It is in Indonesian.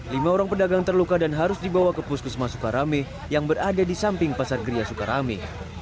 lima orang pedagang terluka dan harus dibawa ke puskesma sukarame yang berada di samping pasar gria sukarame